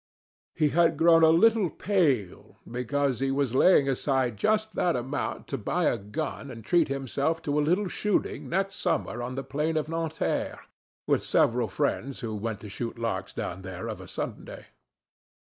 He had grown a little pale, because he was laying aside just that amount to buy a gun and treat himself to a little shooting next summer on the plain of Nanterre, with several friends who went to shoot larks down there of a Sunday.